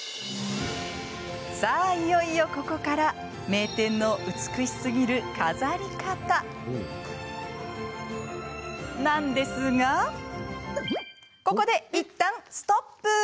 さあ、いよいよここから名店の美しすぎる飾り方なんですがここで、いったんストップ！